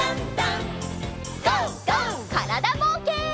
からだぼうけん。